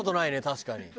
確かに。